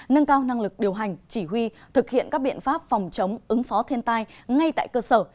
nâng cao năng lực điều hành chỉ huy thực hiện các biện pháp phòng chống ứng phó thiên tai ngay tại cơ sở